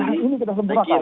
ini kita sempurakan